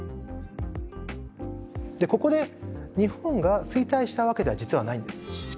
でここで日本が衰退したわけでは実はないんです。